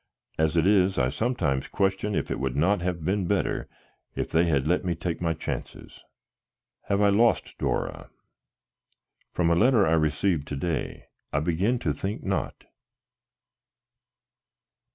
As it is, I sometimes question if it would not have been better if they had let me take my chances. Have I lost Dora? From a letter I received to day I begin to think not.